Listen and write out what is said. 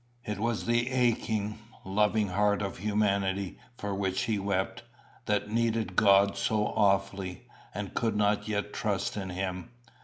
It was the aching, loving heart of humanity for which he wept, that needed God so awfully, and could not yet trust in him.